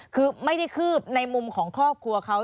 คือไม่ได้คืบในมุมของครอบครัวเขา